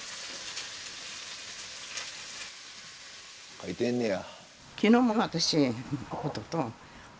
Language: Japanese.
書いてんねや。